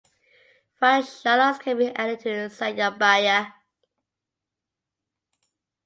Fried shallots can be added to sayur baya.